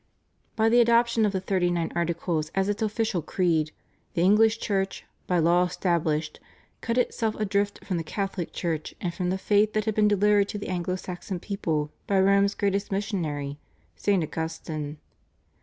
By the adoption of the Thirty Nine Articles as its official creed the English Church "by law established," cut itself adrift from the Catholic Church and from the faith that had been delivered to the Anglo Saxon people by Rome's great missionary St. Augustine.